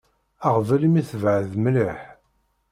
Aɣbel imi tebεed mliḥ.